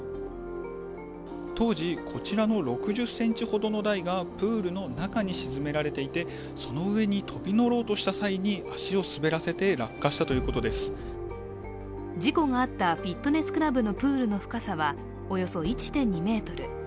当時、こちらの６０ｃｍほどの台がプールの中に沈められていてその上に飛び乗ろうとした際に足を滑らせて事故があったフィットネスクラブのプールの深さはおよそ１．２ｍ。